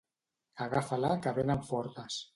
Agafa-la que vénen fortes